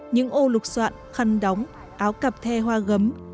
những ô lục soạn khăn đóng áo cặp the hoa gấm